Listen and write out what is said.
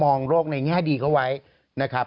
โรคในแง่ดีเขาไว้นะครับ